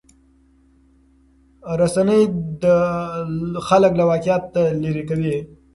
رسنۍ خلک له واقعیت لرې کوي.